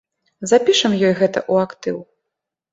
Запішам ёй гэта ў актыў.